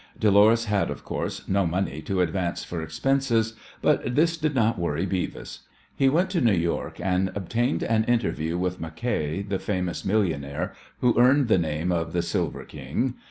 Dolores had, of course, no money to advance for expenses, but this did not worry Beavis. He went to New York, and obtained an interview with Mackay, the famous millionaire, who earned the name of "The Silver King."